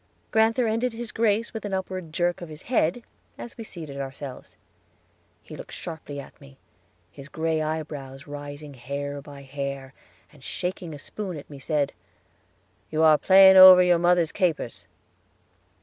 Grand'ther ended his grace with an upward jerk of his head as we seated ourselves. He looked sharply at me, his gray eyebrows rising hair by hair, and shaking a spoon at me said, "You are playing over your mother's capers."